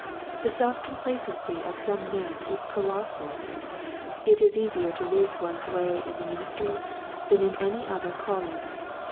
The self complacency of some men is colossal. It is easier to lose one's way in the min istry than in any other calling.